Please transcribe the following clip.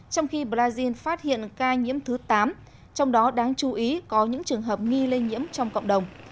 trong khi brazil phát hiện ca nhiễm thứ tám trong đó đáng chú ý có những trường hợp nghi lây nhiễm trong cộng đồng